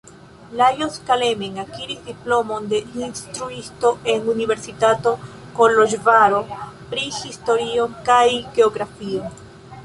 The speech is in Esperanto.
Lajos Kelemen akiris diplomon de instruisto en Universitato Koloĵvaro pri historio kaj geografio.